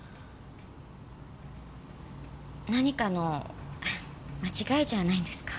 何かの間違いじゃないんですか？